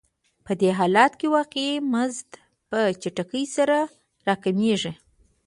په دې حالت کې واقعي مزد په چټکۍ سره راکمېږي